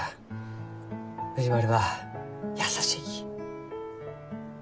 藤丸は優しいき。